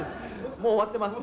もう終わってます。